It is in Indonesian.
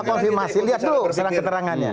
lihat dulu keterangannya